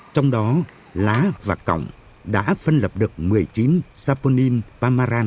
trong đó lá và cọng đã phân lập được một mươi chín saponin pamaran